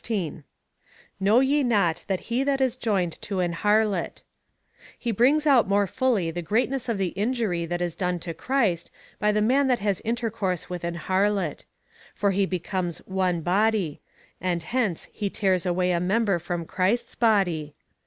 Know ye not that he that is joined to an harlot. He brings out more fully the greatness of the injury that is done to Christ by the man that has intercourse with an harlot ; for he becomes one body, and hence he tears away a member from Christ's body.